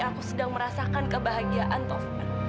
aku sedang merasakan kebahagiaan tovan